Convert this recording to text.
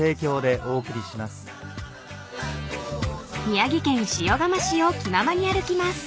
［宮城県塩竈市を気ままに歩きます］